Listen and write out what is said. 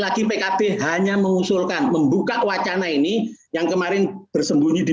clear disitu sekali lagi pkb hanya mengusulkan membuka wacana ini yang kemarin bersembunyi di